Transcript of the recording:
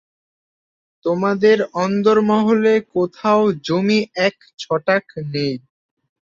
তোমাদের অন্দরমহলে কোথাও জমি এক ছটাক নেই।